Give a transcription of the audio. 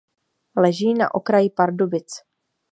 Leží na okraji Pardubic.